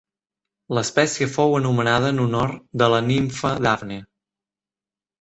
L'espècie fou anomenada en honor de la nimfa Dafne.